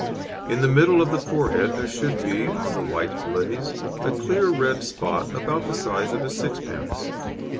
In the middle of the forehead there should be, on the white blaze, a clear red spot about the size of a sixpence.